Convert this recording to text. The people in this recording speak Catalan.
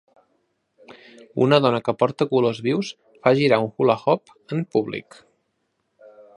Una dona que porta colors vius fa girar un hula-hoop en públic.